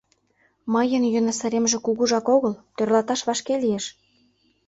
Мыйын йӧнысыремже кугужак огыл, тӧрлаташ вашке лиеш...